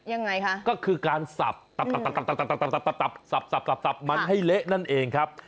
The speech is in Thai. ยังไงคะก็คือการสับตับมันให้เละนั่นเองครับ